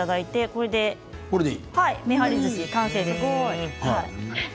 これで、めはりずし完成です。